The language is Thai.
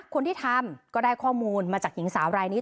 คนที่ทำก็ได้ข้อมูลมาจากหญิงสาวรายนี้